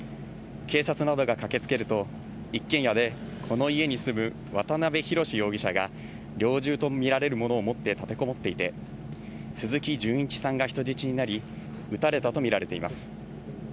警察などが駆けつけると、一軒家でこの家に住む渡辺宏容疑者が、猟銃と見られるものを持って立てこもっていて、鈴木純一さんが人質になり、撃たれたと見られています。